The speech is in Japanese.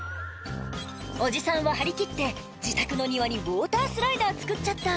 おじさんは張り切って自宅の庭にウオータースライダー作っちゃった